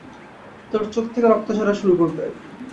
তোর চোখ থেকে রক্ত ঝরা শুরু করবে।